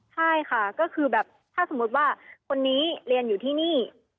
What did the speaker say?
ใช่ค่ะก็คือแบบถ้าสมมุติว่าคนนี้เรียนอยู่ที่นี่